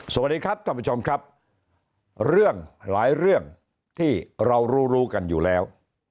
สวัสดีครับท่านผู้ชมครับเรื่องหลายเรื่องที่เรารู้รู้กันอยู่แล้ว